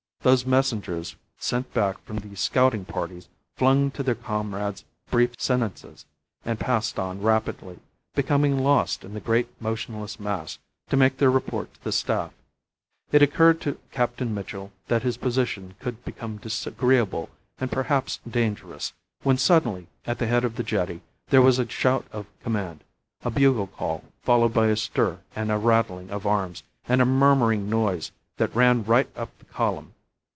Those messengers sent back from the scouting parties flung to their comrades brief sentences and passed on rapidly, becoming lost in the great motionless mass, to make their report to the Staff. It occurred to Captain Mitchell that his position could become disagreeable and perhaps dangerous, when suddenly, at the head of the jetty, there was a shout of command, a bugle call, followed by a stir and a rattling of arms, and a murmuring noise that ran right up the column.